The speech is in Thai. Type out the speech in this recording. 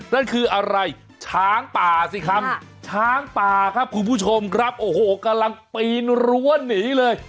นั่นคืออะไรช้างป่าสิครับช้างป่าครับคุณผู้ชมครับโอ้โหกำลังปีนรั้วหนีเลย